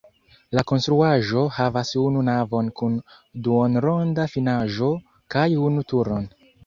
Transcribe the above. La konstruaĵo havas unu navon kun duonronda finaĵo kaj unu turon.